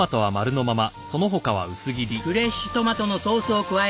フレッシュトマトのソースを加え。